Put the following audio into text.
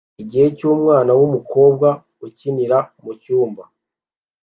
Igihe-cy-umwana wumukobwa ukinira mucyumba